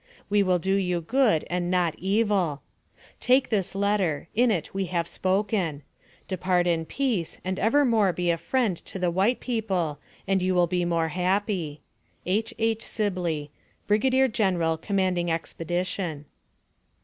We will do you good, and not evil. Take this letter; in it we have spoken. Depart in peace, and ever more be a friend to the white peo ple, and you will be more happy. H. H. SIBLEY, Brig. Gen. , Commanding Expedition.